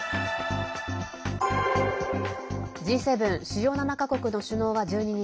Ｇ７＝主要７か国の首脳は１２日